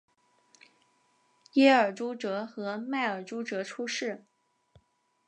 耶尔朱哲和迈尔朱哲出世。